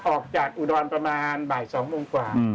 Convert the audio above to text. ออกจากอุดรประมาณบ่าย๒โมงกว่า